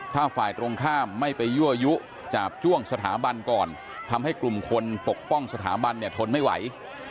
ถ้าฝ่ายตรงข้ามไม่ไปยั่วยุจาบจ้วงสถาบันก่อนทำให้กลุ่มคนปกป้องสถาบันเนี่ยทนไม่ไหว